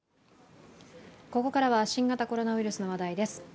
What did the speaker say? ここからは新型コロナウイルスの話題です。